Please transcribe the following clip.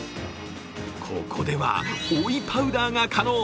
ここでは追いパウダーが可能。